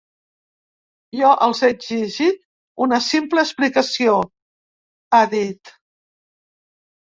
Jo els he exigit una simple explicació, ha dit.